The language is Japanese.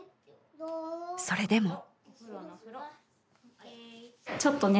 それでも。